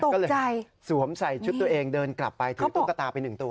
ก็เลยสวมใส่ชุดตัวเองเดินกลับไปถือตุ๊กตาไป๑ตัว